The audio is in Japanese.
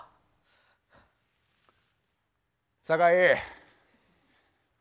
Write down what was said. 酒井。